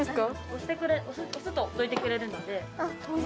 押すとどいてくれるので。